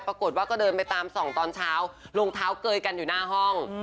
ปรากฏว่าก็เดินไปตามส่องตอนเช้ารองเท้าเกยกันอยู่หน้าห้อง